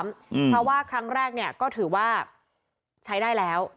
เพราะว่าครั้งแรกเนี่ยก็ถือว่าใช้ได้แล้ว